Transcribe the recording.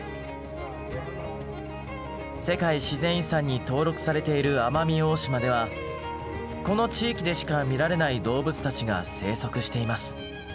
世界自然遺産に登録されている奄美大島ではこの地域でしか見られない動物たちが生息しています。